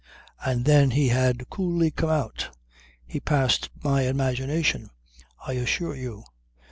And then he had coolly come out! He passed my imagination, I assure you.